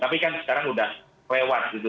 tapi kan sekarang udah lewat gitu